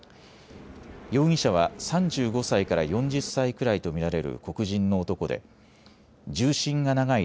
容疑者は３５歳から４０歳くらいと見られる黒人の男で銃身が長い